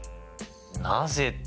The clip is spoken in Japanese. なぜって。